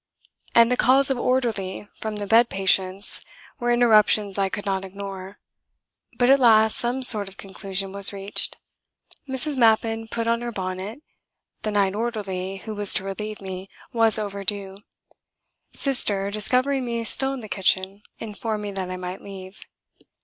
And the calls of "Orderly!" from the bed patients were interruptions I could not ignore. But at last some sort of conclusion was reached. Mrs. Mappin put on her bonnet. The night orderly, who was to relieve me, was overdue. Sister, discovering me still in the kitchen, informed me that I might leave.